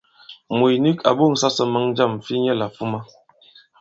Mùt nik à ɓo᷇ŋsa sɔ maŋ jâm fi nyɛlà fuma.